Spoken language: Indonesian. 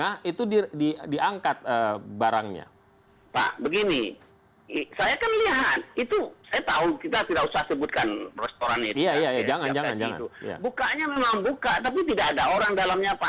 membuka warungnya jam dua jam satu